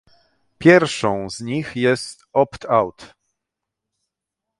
Pierwszą z nich jest opt-out